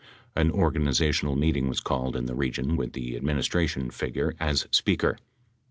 An organiza tional meeting was called in the region with the administration figure as speaker.